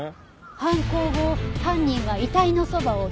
犯行後犯人は遺体のそばをひと回り。